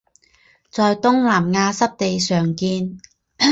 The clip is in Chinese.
在东南亚湿地常见。